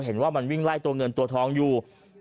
เห็นว่ามันวิ่งไล่ตัวเงินตัวทองอยู่